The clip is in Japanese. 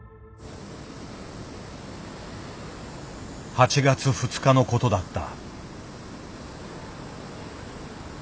８月２日のことだった。